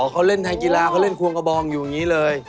เขาเล่นทางกีฬาเขาเล่นควงกระบองอยู่อย่างนี้เลย